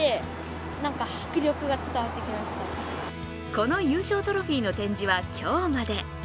この優勝トロフィーの展示は今日まで。